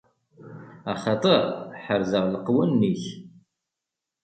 Axaṭer ḥerzeɣ leqwanen-ik.